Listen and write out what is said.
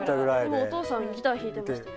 お父さんギター弾いてましたよね。